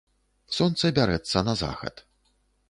Сонца бярэцца на захад.